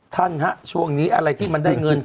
ท่านฮะช่วงนี้อะไรที่มันได้เงิน